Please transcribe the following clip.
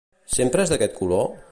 Sempre és d'aquest color?